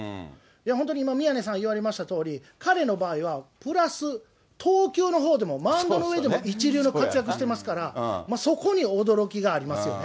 本当に今、宮根さん言われましたとおり、彼の場合は、プラス投球のほうでもマウンドのほうでも一流の活躍してますから、そこに驚きがありますよね。